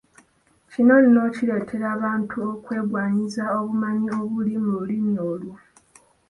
Kino nno kireetera abantu okwegwanyiza obumanyi obuli mu lulimi olwo.